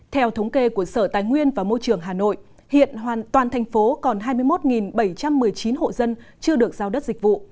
theo thống kê của sở tài nguyên và môi trường hà nội hiện toàn thành phố còn hai mươi một bảy trăm một mươi chín hộ dân chưa được giao đất dịch vụ